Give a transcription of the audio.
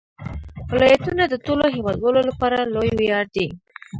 ولایتونه د ټولو هیوادوالو لپاره لوی ویاړ دی.